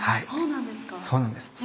そうなんですか。